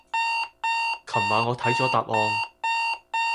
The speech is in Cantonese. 琴晚我睇咗答案